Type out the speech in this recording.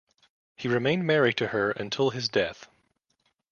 He remained married to her until his death.